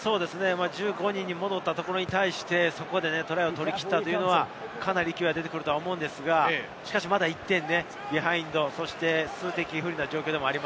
１５人に戻ったところに対して、トライを取り切ったのはかなり勢いが出てくると思いますが、まだ１点ビハインド、数的不利な状況です。